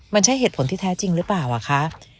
มันใช่เหตุผลที่แท้จริงหรือเปล่าอะคะ